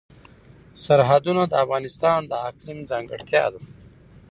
سرحدونه د افغانستان د اقلیم ځانګړتیا ده.